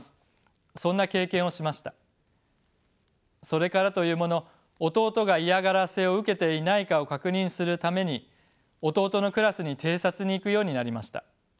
それからというもの弟が嫌がらせを受けていないかを確認するために弟のクラスに偵察に行くようになりました。